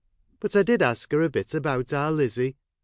But I did ask her a bit about our Lizzie.